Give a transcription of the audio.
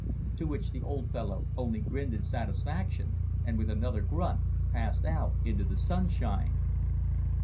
To which the old fellow only grinned in satisfaction, and with another grunt passed out into the sunshine.